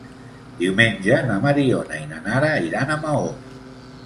Diumenge na Mariona i na Nara iran a Maó.